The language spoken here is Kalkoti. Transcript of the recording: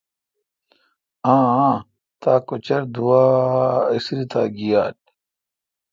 آں آ۔۔تاکچردووا، اِسری تا گیال۔